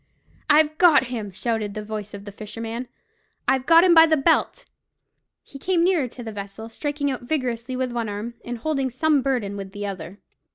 "I've got him!" shouted the voice of the fisherman. "I've got him by the belt!" He came nearer to the vessel, striking out vigorously with one arm, and holding some burden with the other.